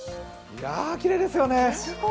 いやぁ、きれいですよね。